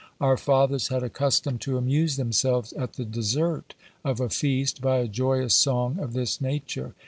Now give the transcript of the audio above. "Our fathers had a custom to amuse themselves at the dessert of a feast by a joyous song of this nature.